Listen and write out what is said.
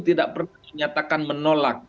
tidak pernah menyatakan menolak